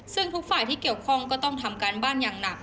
ซึ่งทุกฝ่ายที่เกี่ยวข้องก็ต้องทำการบ้านอย่างหนัก